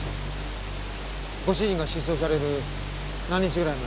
ご主人が失踪される何日ぐらい前の？